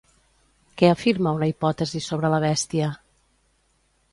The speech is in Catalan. Què afirma una hipòtesi sobre la bèstia?